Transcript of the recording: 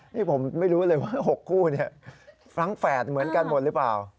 นี่ผมไม่รู้เลยว่า๖คู่ฟรั้งแฝดเหมือนกันหมดหรือเปล่า